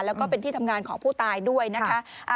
แล้วก็เป็นที่ทำงานของผู้ตายด้วยนะคะ